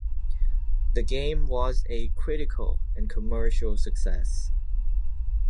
The game was a critical and commercial success.